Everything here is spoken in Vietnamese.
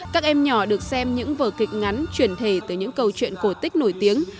các em nhỏ được xem những vở kịch ngắn truyền thề từ những câu chuyện cổ tích nổi tiếng